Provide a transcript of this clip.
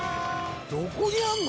どこにあんの？